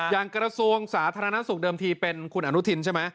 กระทรวงสาธารณสุขเดิมทีเป็นคุณอนุทินใช่ไหม